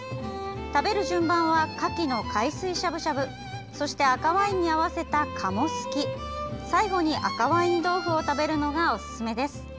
食べる順番はかきの海水しゃぶしゃぶそして、赤ワインに合わせた鴨好き最後に、赤ワイン豆腐を食べるのがおすすめです。